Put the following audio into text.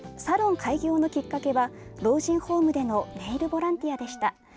サロン開業のきっかけは老人ホームでのネイルボランティアでした。